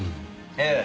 ええ。